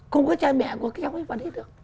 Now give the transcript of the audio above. không có trai mẹ của các ông ấy còn hết được